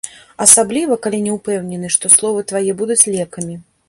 Асабліва, калі не ўпэўнены, што словы твае будуць лекамі.